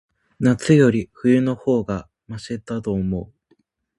夏より、冬の方がましだと思う。